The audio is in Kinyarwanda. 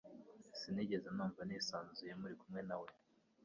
Sinigeze numva nisanzuye muri kumwe na we.